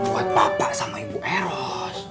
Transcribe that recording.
buat bapak sama ibu eros